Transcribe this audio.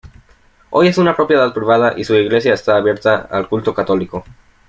Hoy es una propiedad privada y su iglesia está abierta al culto católico.